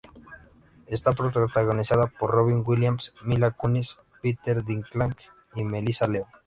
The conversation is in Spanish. Es protagonizada por Robin Williams, Mila Kunis, Peter Dinklage y Melissa Leo.